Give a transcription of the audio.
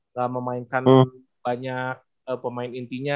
sudah memainkan banyak pemain intinya